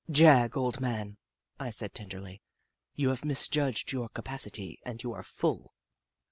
"Jagg, old man," I said, tenderly, "you have misjudged your capacity and you are full.